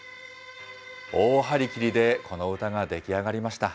大張り切りでこの歌が出来上がりました。